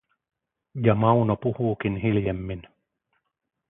Ja Mauno puhuukin hiljemmin.